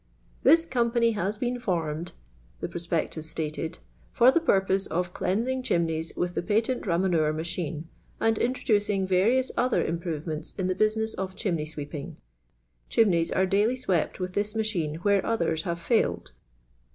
"This Company has been formed,'' the ptro spectus stated, "for the purpose of cleansing chimneys with the Patent Bamoneur Machine, and introducing various other improvements in the business of chimney sweeping. Chimneys are daily swept with this machine where others have fiuled."